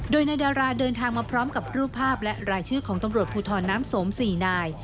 โดยนายดาราเดินทางมาพร้อมกับรูปภาพและรายชื่อของตำรวจภูทรน้ำสม๔นาย